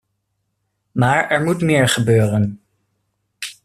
Maar er moet meer gebeuren.